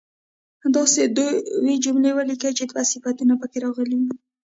داسې دوې جملې ولیکئ چې دوه صفتونه په کې راغلي وي.